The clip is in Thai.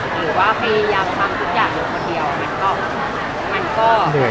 หรือว่าพยายามทำทุกอย่างอยู่คนเดียว